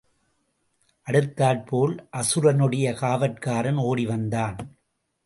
அடுத்தாற்போல், அசுரனுடைய காவற்காரன் ஓடி வந்தான்.